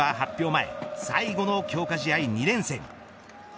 前最後の強化試合２連戦。